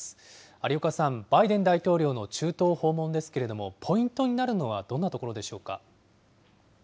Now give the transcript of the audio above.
有岡さん、バイデン大統領の中東訪問ですけれども、ポイントになるのはどんなところでしょうか。